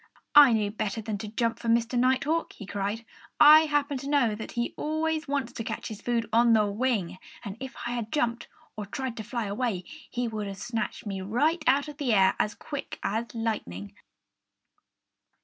"I knew better than to jump for Mr. Nighthawk!" he cried. "I happened to know that he always wants to catch his food on the wing. And if I had jumped, or tried to fly away, he would have snatched me right out of the air as quick as lightning."